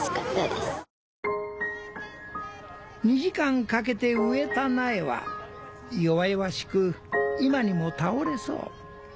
２時間かけて植えた苗は弱々しく今にも倒れそう。